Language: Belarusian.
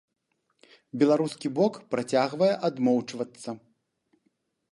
Беларускі бок працягвае адмоўчвацца.